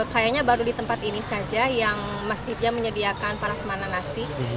kayaknya baru di tempat ini saja yang masjidnya menyediakan parasmana nasi